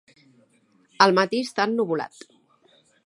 El matí està ennuvolat.